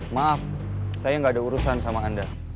maaf saya nggak ada urusan sama anda